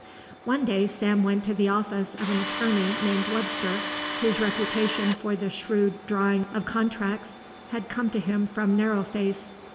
One day Sam went to the office of an attorney named Webster, whose reputation for the shrewd drawing of contracts had come to him from Narrow Face.